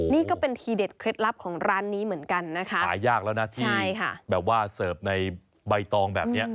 นี่ก็เป็นทีเด็ดเคล็ดลับของร้านนี้เหมือนกันนะคะหายากแล้วนะที่แบบว่าเสิร์ฟในใบตองแบบนี้